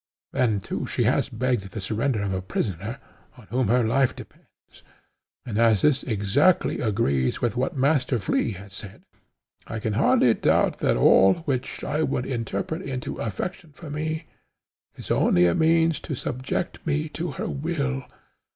Then too she has begged the surrender of a prisoner, on whom her life depends; and as this exactly agrees with what Master Flea has said, I can hardly doubt that all, which I would interpret into affection for me, is only a mean to subject me to her will.